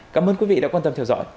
cảm ơn quý vị đã quan tâm theo dõi